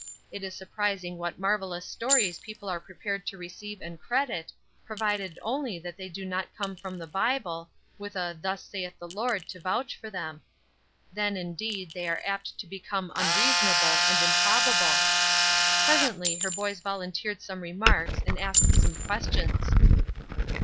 It is surprising what marvelous stories people are prepared to receive and credit, provided only that they do not come from the Bible, with a "Thus saith the Lord" to vouch for them. Then, indeed, they are apt to become "unreasonable" and "improbable." Presently her boys volunteered some remarks and asked some questions.